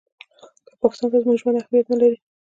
که پاکستان ته زموږ ژوند اهمیت نه لري.